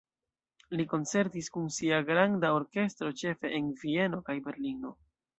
Li koncertis kun sia granda orkestro ĉefe en Vieno kaj Berlino.